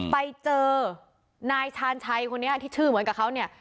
ไปเจอนายชาญชัยคนนี้ที่ชื่อเหมือนกับเขาเนี่ย